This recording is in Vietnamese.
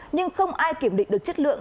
nhưng không ai kiểm định được chất lượng